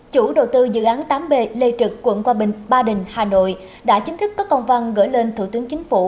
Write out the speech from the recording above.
chủ đầu tư dự án tám b lê trực quận quang bình ba đình hà nội đã chính thức có công văn gửi lên thủ tướng chính phủ